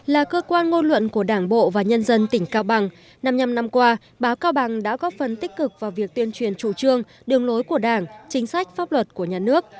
là cơ quan ngôn luận của đảng bộ và nhân dân tỉnh cao bằng năm mươi năm năm qua báo cao bằng đã góp phần tích cực vào việc tuyên truyền chủ trương đường lối của đảng chính sách pháp luật của nhà nước